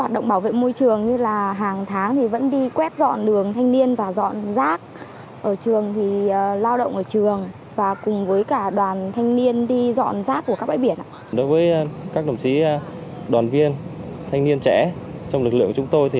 đoàn viên thanh niên trẻ trong lực lượng chúng tôi